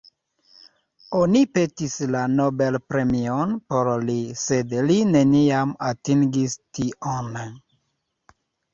Oni petis la Nobelpremion por li, sed li neniam atingis tion.